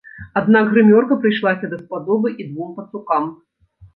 Аднак грымёрка прыйшлася даспадобы і двум пацукам.